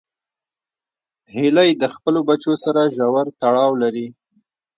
هیلۍ د خپلو بچو سره ژور تړاو لري